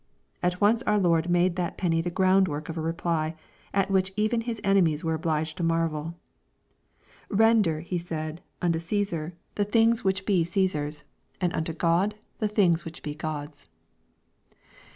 At once our Lord made that penny the groundwork of a reply, at which even His enemies were obliged to marvel. " Bender/ He said, " unto Coesar the things LUKE, CHAP. XX. 333 which be Caasar's, and unto God the things which be God's."